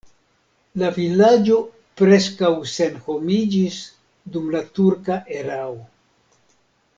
La vilaĝo preskaŭ senhomiĝis dum la turka erao.